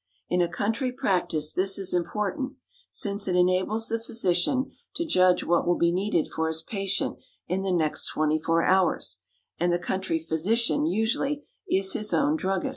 In a country practice this is important, since it enables the physician to judge what will be needed for his patient in the next twenty four hours, and the country physician usually is his own druggist.